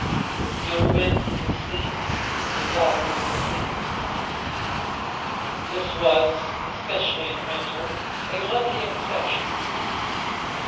With no wind from the sea, the water of the creek was calm. This was, especially in winter, a lucky exception.